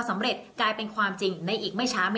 ส่งผลทำให้ดวงชะตาของชาวราศีมีนดีแบบสุดเลยนะคะ